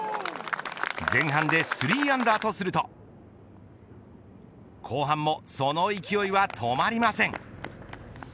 前半で３アンダーとすると後半もその勢いは止まりません。